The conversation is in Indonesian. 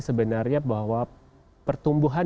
sebenarnya bahwa pertumbuhan